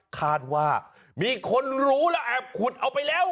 คาดว่ามีคนรู้และแอบขุดเอาไปแล้ว